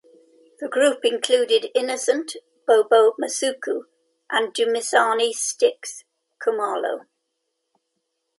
The group included Innocent "Bobo" Masuku and Dumisani "Stix" Khumalo.